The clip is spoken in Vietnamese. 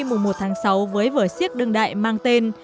mùa một tháng sáu với vở siếc đương đại mang tên